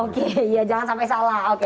oke jangan sampai salah